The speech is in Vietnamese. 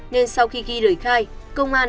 nên sau khi ghi lời khai công an